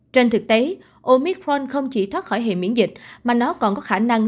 trên thực tế omitron không chỉ thoát khỏi hệ miễn dịch mà nó còn có khả năng